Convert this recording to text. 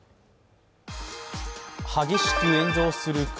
激しく炎上する車。